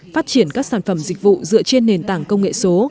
phát triển các sản phẩm dịch vụ dựa trên nền tảng công nghệ số